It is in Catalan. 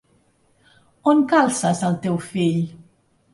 On calces el teu fill?